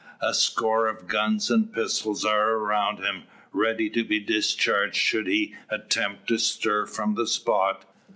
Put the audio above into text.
A score of guns and pistols are around him, ready to be discharged should he attempt to stir from the spot.